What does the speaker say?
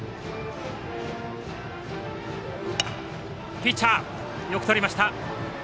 ピッチャー、よくとりました。